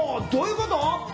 どういうこと？